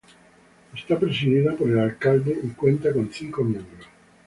Está presidida por el alcalde y cuenta con cinco miembros.